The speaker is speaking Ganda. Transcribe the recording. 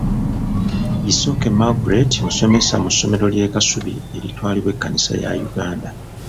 Isoke Margret musomesa mu ssomero ly'e Kasubi eritwalibwa ekkanisa ya Uganda.